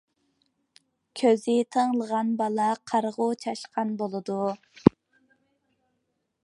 كۆزى تېڭىلغان بالا قارىغۇ چاشقان بولىدۇ.